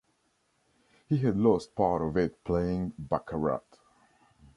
He had lost part of it playing baccarat.